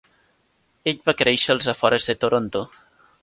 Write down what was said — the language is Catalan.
Ell va créixer als afores de Toronto.